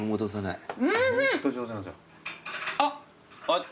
あっ。